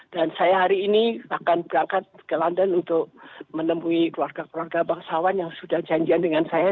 dan saya hari ini akan berangkat ke london untuk menemui keluarga keluarga bangsawan yang sudah janjian dengan saya